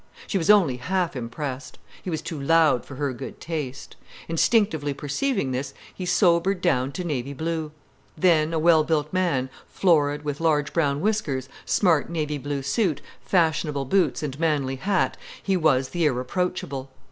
She was only half impressed. He was too loud for her good taste. Instinctively perceiving this, he sobered down to navy blue. Then a well built man, florid, with large brown whiskers, smart navy blue suit, fashionable boots, and manly hat, he was the irreproachable.